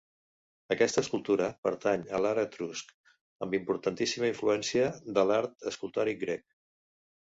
Aquesta escultura pertany a l'art etrusc, amb importantíssima influència de l'art escultòric grec.